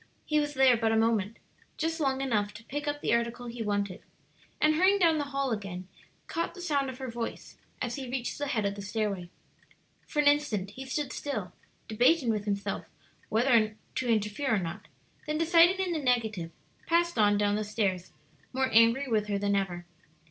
He was there but a moment just long enough to pick up the article he wanted and hurrying down the hall again, caught the sound of her voice as he reached the head of the stairway. For an instant he stood still, debating with himself whether to interfere or not; then deciding in the negative, passed on down the stairs more angry with her than ever.